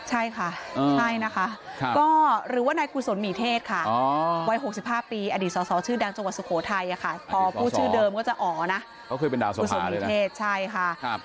ให้ทุกคนรับรู้รับทราบทุกวงศิษย์วิญญาณรู้รับรู้รับทราบ